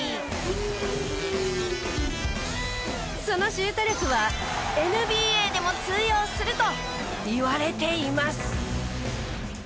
そのシュート力はＮＢＡでも通用するといわれています。